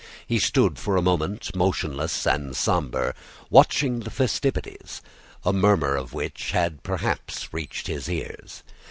He stood for a moment motionless and sombre, watching the festivities, a murmur of which had perhaps reached his ears.